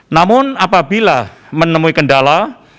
namun apabila menemui kendala